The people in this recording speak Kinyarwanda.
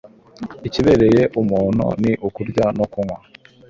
ikibereye umuntu ni ukurya no kunywa